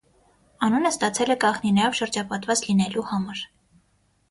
Անունը ստացել է կաղնիներով շրջապատված լինելու համար։